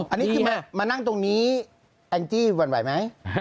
อันนี้คือมานั่งตรงนี้แองจี้หวั่นไหวไหม